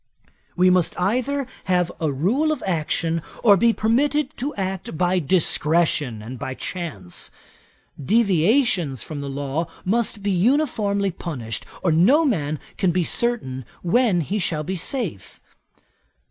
We must either have a rule of action, or be permitted to act by discretion and by chance. Deviations from the law must be uniformly punished, or no man can be certain when he shall be safe.